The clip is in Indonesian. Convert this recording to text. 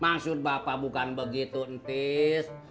maksud bapak bukan begitu empis